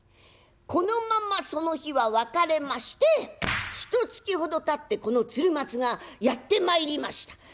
このままその日は別れましてひとつきほどたってこの鶴松がやってまいりました。